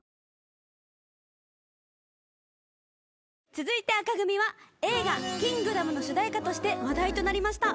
続いて紅組は映画『キングダム』の主題歌として話題となりました